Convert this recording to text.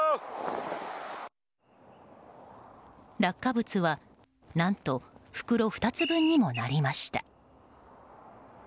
落下物は何と袋２つ分にもなりました。